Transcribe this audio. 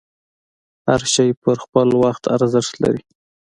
هر شی په خپل وخت ارزښت لري.